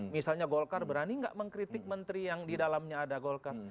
misalnya golkar berani nggak mengkritik menteri yang di dalamnya ada golkar